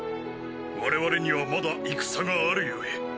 我々にはまだ戦があるゆえ。